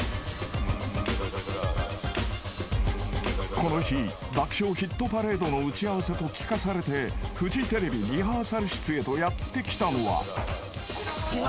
［この日『爆笑ヒットパレード』の打ち合わせと聞かされてフジテレビリハーサル室へとやって来たのは］